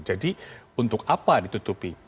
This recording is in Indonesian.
jadi untuk apa ditutupi